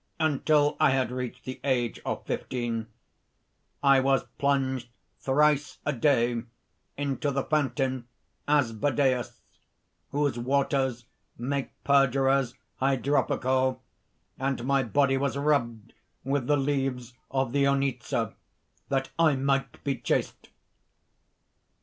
"Until I had reached the age of fifteen I was plunged thrice a day into the fountain, Asbadeus, whose waters make perjurers hydropical; and my body was rubbed with the leaves of the onyza, that I might be chaste.